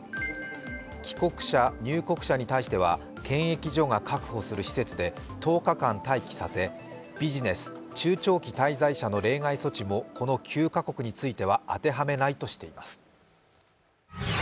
帰国者・入国者に対しては検疫所が確保する施設で１０日間待機させ、ビジネス、中長期滞在者の例外措置もこの９カ国については当てはめないとしています。